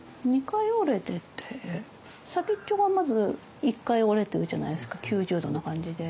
２回折れてて先っちょがまず一回折れてるじゃないですか９０度な感じで。